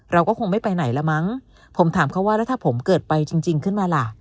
เราก็คงไม่ไปไหนละมั้งผมถามเขาว่าแล้วถ้าผมเกิดไปจริงจริงขึ้นมาล่ะ